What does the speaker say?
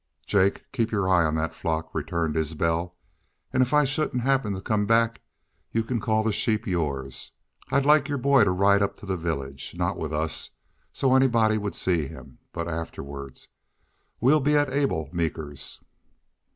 "Jake, keep your eye on that flock," returned Isbel. "An' if I shouldn't happen to come back y'u can call them sheep yours.... I'd like your boy to ride up to the village. Not with us, so anybody would see him. But afterward. We'll be at Abel Meeker's."